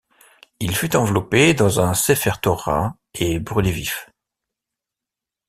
Il fut enveloppé dans un Sefer Torah et brûlé vif.